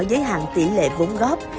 giới hạn tỷ lệ vốn góp